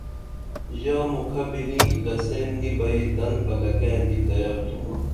ژا مُکھہ بِنی لسین نی بئی دن پلکئیں کی تیار تُھمہ